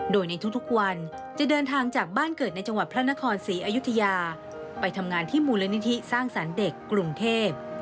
โดยในทุกวันจะเดินทางจากบ้านเกิดในจังหวัดพระนครศรีอยุธยาไปทำงานที่มูลนิธิสร้างสรรค์เด็กกรุงเทพ